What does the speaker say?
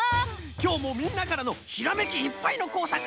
きょうもみんなからのひらめきいっぱいのこうさく